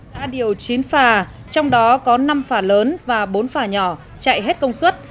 đã điều chín phà trong đó có năm phà lớn và bốn phà nhỏ chạy hết công suốt